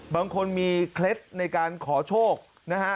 บางคนมีเคล็ดในการขอโชคนะฮะ